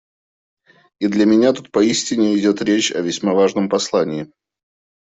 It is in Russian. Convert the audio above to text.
И для меня тут поистине идет речь о весьма важном послании.